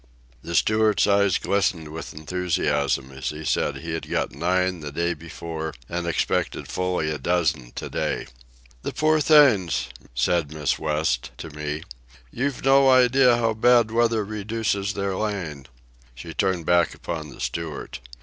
The steward's eyes glistened with enthusiasm as he said he had got nine the day before and expected fully a dozen to day. "The poor things," said Miss West—to me. "You've no idea how bad weather reduces their laying." She turned back upon the steward.